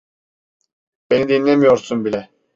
Beni dinlemiyorsun bile.